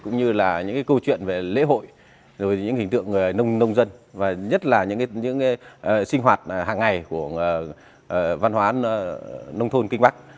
cũng như là những câu chuyện về lễ hội rồi những hình tượng người nông dân và nhất là những sinh hoạt hàng ngày của văn hóa nông thôn kinh bắc